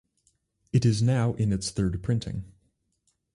It is now in its third printing.